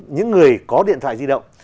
những người có điện thoại di động